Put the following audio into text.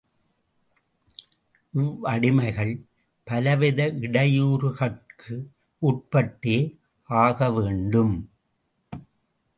இவ்வடிமைகள் பலவித இடையூறுகட்கு உட்பட்டே ஆகவேண்டும்.